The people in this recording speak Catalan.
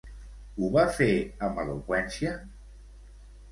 Ho va fer amb eloqüència?